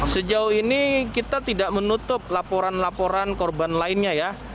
sejauh ini kita tidak menutup laporan laporan korban lainnya ya